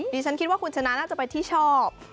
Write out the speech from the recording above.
ดิฉันคิดว่าคุณชนะน่าจะเป็นที่ชอบ